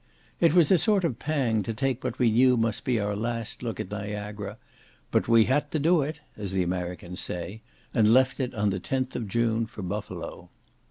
It was a sort of pang to take what we knew must be our last look at Niagara; but "we had to do it," as the Americans say, and left it on the 10th June, for Buffalo.